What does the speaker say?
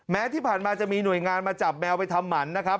แม้ที่ผ่านมาจะมีหน่วยงานมาจับแมวไปทำหมันนะครับ